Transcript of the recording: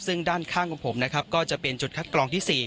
ซึ่งด้านข้างของผมนะครับก็จะเป็นจุดคัดกรองที่๔